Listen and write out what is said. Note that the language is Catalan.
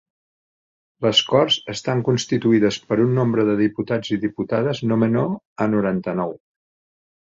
Les Corts estan constituïdes per un nombre de diputats i diputades no menor a noranta-nou.